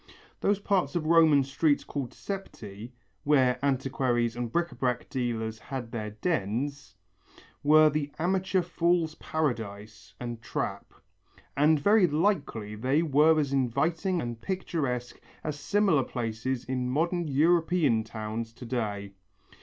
Those parts of Roman streets called Septæ, where antiquaries and bric à brac dealers had their dens, were the amateur's fool's paradise and trap, and very likely they were as inviting and picturesque as similar places in modern European towns to day.